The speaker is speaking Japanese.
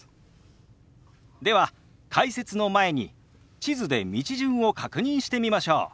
では解説の前に地図で道順を確認してみましょう。